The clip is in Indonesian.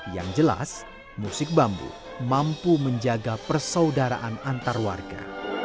yang jelas musik bambu mampu menjaga persaudaraan antar warga